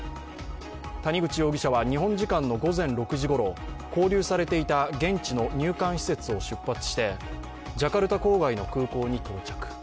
谷口容疑者は日本時間の午前６時ごろ、勾留されていた現地の入管施設を出発してジャカルタ郊外の空港に到着。